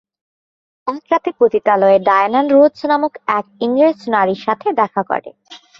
এক রাতে পতিতালয়ে ডায়ানা রোজ নামক এক ইংরেজ নারীর সাথে দেখা করে।